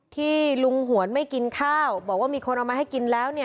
ที่ลุงหวนไม่กินข้าวบอกว่ามีคนเอามาให้กินแล้ว